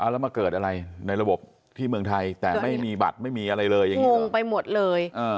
แล้วมาเกิดอะไรในระบบที่เมืองไทยแต่ไม่มีบัตรไม่มีอะไรเลยอย่างนี้งงไปหมดเลย